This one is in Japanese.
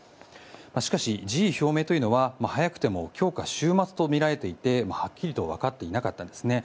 しかし、辞意表明というのは早くても今日か週末とみられてはっきりとはわかっていなかったんです。